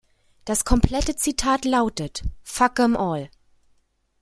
Das komplette Zitat lautet: "Fuck ’em all.